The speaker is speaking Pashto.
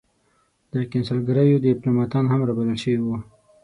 د کنسلګریو دیپلوماتان هم را بلل شوي وو.